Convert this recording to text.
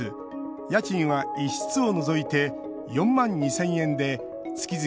家賃は１室を除いて４万２０００円で月々